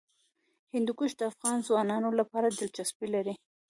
هندوکش د افغان ځوانانو لپاره دلچسپي لري.